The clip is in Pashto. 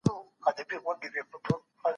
احمد ئې ډېر ټينګ وواهه